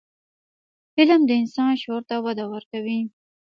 علم د انسان شعور ته وده ورکوي.